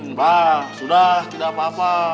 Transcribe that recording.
entah sudah tidak apa apa